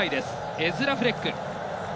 エズラ・フレック。